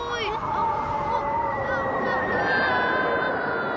あっ。